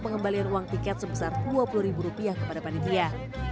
pengembalian uang tiket sebesar dua puluh ribu rupiah kepada panitia